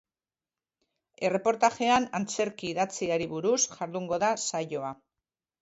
Erreportajean, antzerki idatziari buruz jardungo da saioa.